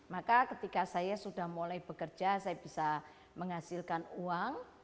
maka ketika saya sudah mulai bekerja saya bisa menghasilkan uang